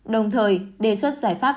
đồng thời đề xuất giải pháp